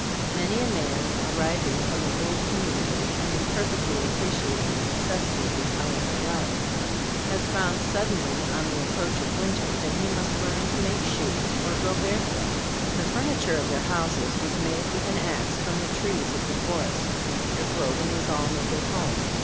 Many a man arriving from an old community, and imperfectly appreciating the necessities of pioneer life, has found suddenly, on the approach of winter, that he must learn to make shoes or go barefoot. The furniture of their houses was made with an axe from the trees of the forest. Their clothing was all made at home.